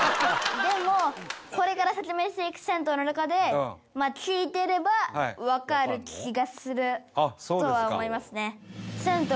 でもこれから説明していく銭湯の中で聞いてればわかる気がするとは思いますね。